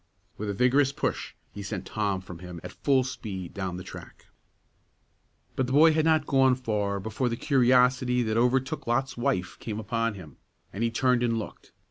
With a vigorous push, he sent Tom from him at full speed down the track. But the boy had not gone far before the curiosity that overtook Lot's wife came upon him, and he turned and looked.